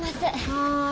はい。